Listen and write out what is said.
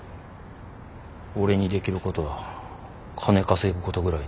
俺にできることは金稼ぐことぐらいで。